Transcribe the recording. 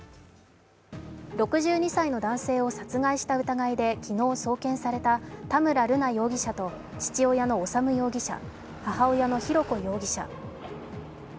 ６２歳の男性を殺害した疑いで昨日、送検された田村瑠奈容疑者と父親の修容疑者母親の浩子容疑者。